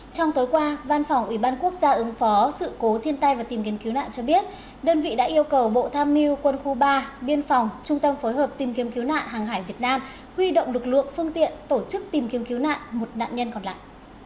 trong tối qua văn phòng ủy ban quốc gia ứng phó sự cố thiên tai và tìm kiếm cứu nạn cho biết đơn vị đã yêu cầu bộ tham mưu quân khu ba biên phòng trung tâm phối hợp tìm kiếm cứu nạn hàng hải việt nam huy động lực lượng phương tiện tổ chức tìm kiếm cứu nạn một nạn nhân còn lại